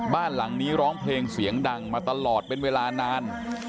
บ้านหลังนี้ร้องเพลงเสียงดังมาตลอดเป็นเวลานาน